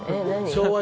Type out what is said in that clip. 昭和！